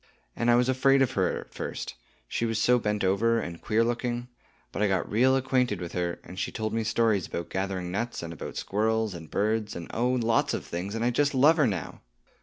And I was afraid of her at first, she was so bent over, and was queer looking. But I got real well acquainted with her, and she told me stories about gathering nuts, and about squirrels and birds, and oh, lots of things, and I just love her now!